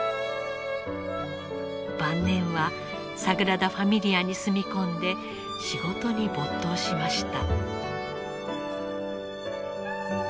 晩年はサグラダ・ファミリアに住み込んで仕事に没頭しました。